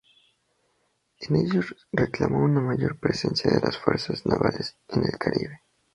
En ellos reclama una mayor presencia de las fuerzas navales en el Caribe.